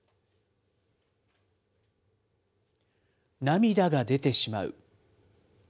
涙が出てしまう。